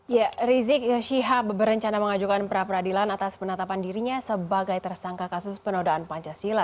ya rizik syihab berencana mengajukan pra peradilan atas penetapan dirinya sebagai tersangka kasus penodaan pancasila